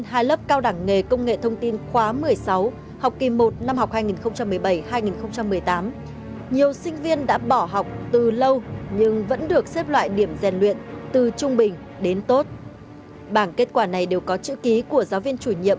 hãy đăng ký kênh để ủng hộ kênh của mình nhé